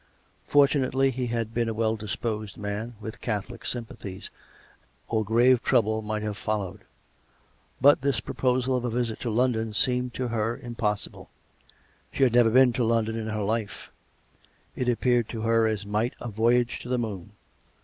Fortunately he had been a well disposed man, with Catholic sympathies, or grave trouble might have followed. But this proposal of a visit to London seemed to her impossible. She had never been to London in her life; it appeared to her as might a voyage to the moon.